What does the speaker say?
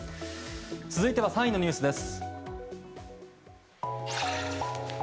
続いては３位のニュースです。